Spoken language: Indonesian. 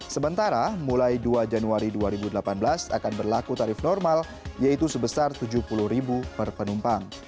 sementara mulai dua januari dua ribu delapan belas akan berlaku tarif normal yaitu sebesar rp tujuh puluh per penumpang